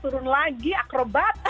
turun lagi akrobat